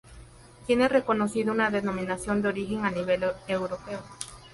Tiene reconocida una denominación de origen a nivel europeo.